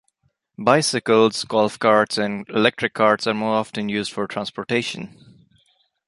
Bicycles, golf carts and electric carts are most often used for transportation.